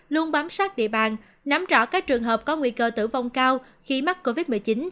luôn bám sát địa bàn nắm rõ các trường hợp có nguy cơ tử vong cao khi mắc covid một mươi chín